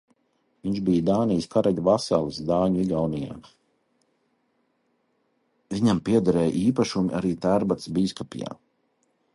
Viņš bijs Dānijas karaļa vasalis Dāņu Igaunijā, viņam piederēja īpašumi arī Tērbatas bīskapijā.